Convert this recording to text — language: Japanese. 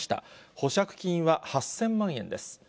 保釈金は８０００万円です。